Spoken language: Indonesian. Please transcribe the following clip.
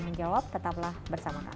menjawab tetaplah bersama kami